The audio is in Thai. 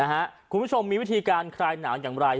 คุณผู้ชมมีวิธีการคลายหนาวอย่างไร